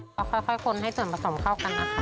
ก็ค่อยคนให้ส่วนผสมเข้ากันนะคะ